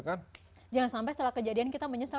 jangan sampai setelah kejadian kita menyesal